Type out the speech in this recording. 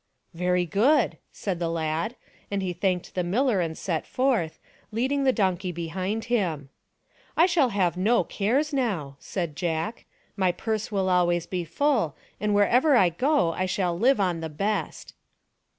" Very good," said the lad, and he thanked the miller and set forth, leading the donkey behind him. " I shall have no cares, now," said Jack. " My purse will be always full, and wherever I go I shall live on the best."